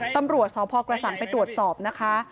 ตำรวจสพกระสังไปตรวจสอบนะคะ